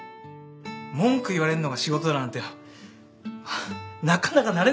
文句言われるのが仕事だなんてなかなか慣れなくて。